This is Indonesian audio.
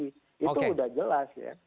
itu udah jelas ya